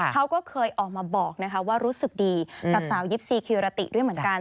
เขาก็เคยออกมาบอกว่ารู้สึกดีกับสาวยิปซีคิรติด้วยเหมือนกัน